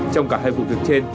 trong cả hai vụ thức trên